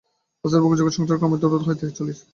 আশ্রয় উপকূল জগৎ-সংসার ক্রমেই দূর হইতে দূরে চলিয়া যাইতেছে।